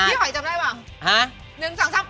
หอยจำได้ป่ะ